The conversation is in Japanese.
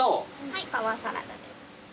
はいパワーサラダ。